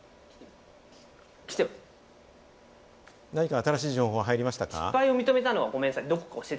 何か新しい情報が入りましたか？